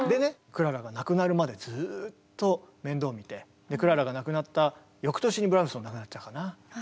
クララが亡くなるまでずっと面倒見てクララが亡くなった翌年にブラームスも亡くなっちゃうかな。